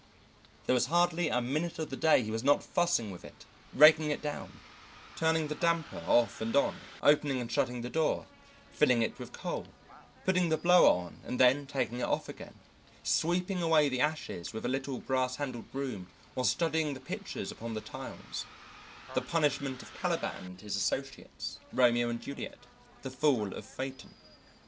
There was hardly a minute of the day he was not fussing with it, raking it down, turning the damper off and on, opening and shutting the door, filling it with coal, putting the blower on and then taking it off again, sweeping away the ashes with a little brass handled broom, or studying the pictures upon the tiles: the "Punishment of Caliban and His Associates," "Romeo and Juliet," the "Fall of Phaeton."